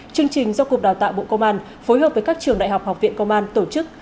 chương trình do cục đào tạo bộ công an phối hợp với các trường đại học học viện công an tổ chức